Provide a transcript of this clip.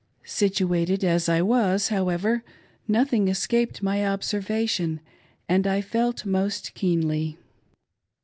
Situated as I was, how ever, nothing escaped my observation, and I felt most keenly.